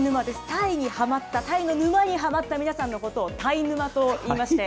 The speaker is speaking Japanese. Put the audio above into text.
タイにはまった、タイの沼にはまった皆さんのことをタイ沼といいまして。